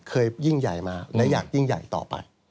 ยิ่งใหญ่มาและอยากยิ่งใหญ่ต่อไป